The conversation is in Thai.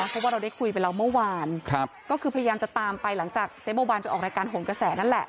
เพราะว่าเราได้คุยไปแล้วเมื่อวานก็คือพยายามจะตามไปหลังจากเจ๊บัวบานจะออกรายการหงกระแสนั่นแหละ